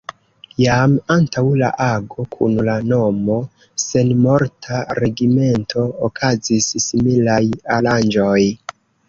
Jam antaŭ la ago kun la nomo „Senmorta regimento” okazis similaj aranĝoj.